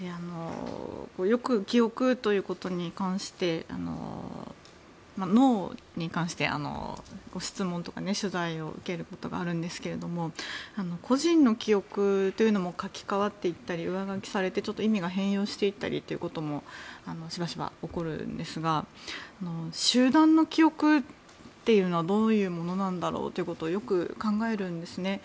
よく、記憶ということに関して脳に関して質問とか取材を受けることがあるんですけど個人の記憶というのも書き換わっていったり上書きされて、意味が変容していったりということもしばしば起こるんですが集団の記憶っていうのはどういうものなんだろうってよく考えるんですね。